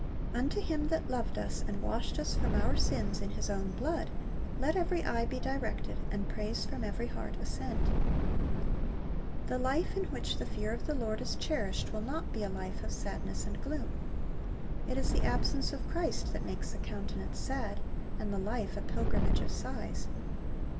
"Unto Him that loved us, and washed us from our sins in His own blood,"' let every eye be directed, and praise from every heart ascend. The life in which the fear of the Lord is cherished will not be a life of sadness and gloom. It is the absence of Christ that makes the countenance sad, and the life a pilgrimage of sighs.